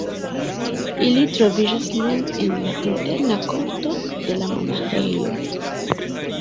Ili troviĝas nun en la interna korto de la monaĥejo.